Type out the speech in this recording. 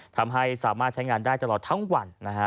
ทำให้สามารถใช้งานได้ตลอดทั้งวันนะฮะ